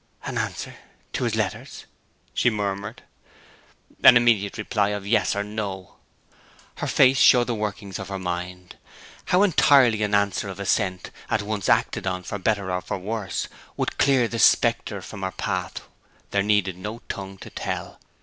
'An answer to his letters?' she murmured. 'An immediate reply of yes or no.' Her face showed the workings of her mind. How entirely an answer of assent, at once acted on for better or for worse, would clear the spectre from her path, there needed no tongue to tell.